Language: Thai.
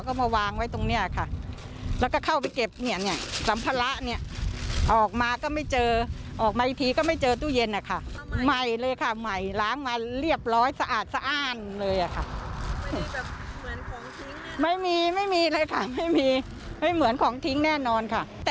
ของทิ้งแน่นอนค่ะแต่ถ้าเอามาคืนก็ดีนะคะ